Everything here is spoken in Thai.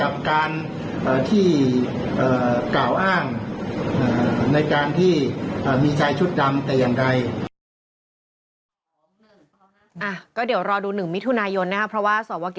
ในการที่กล่าวอ้างในการที่มีชายชุดดำแต่อย่างไร